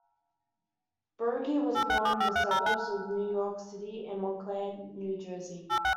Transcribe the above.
Burgi was born in the suburbs of New York City in Montclair, New Jersey.